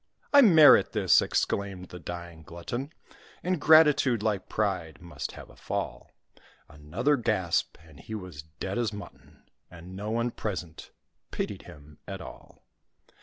"I merit this!" exclaimed the dying glutton; "Ingratitude, like pride, must have a fall:" Another gasp, and he was dead as mutton; And no one present pitied him at all.